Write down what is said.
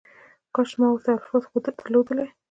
کاش ما ورته الفاظ درلودلای